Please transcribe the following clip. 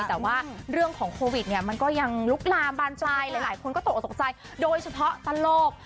แต่ว่าเรื่องของโควิดเนี่ยมันก็ยังลุกลามบานปลายหลายคนก็ตกออกตกใจโดยเฉพาะตลก